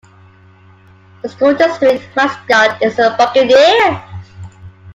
The school district's mascot is the Buccaneer.